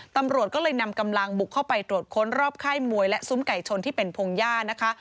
ตำรวจก็เลยนำกำลังบุกเข้าไปตรวจค้นรอบค่ายมวยและซุ้มไก่ชนที่เป็นพงหญ้านะคะ